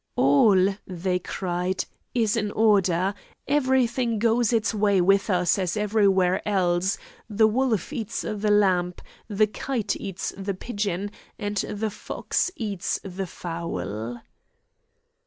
"All" they cried "is in order; every thing goes its way with us as everywhere else; the wolf eats the lamb, the kite eats the pigeon, and the fox eats the fowl."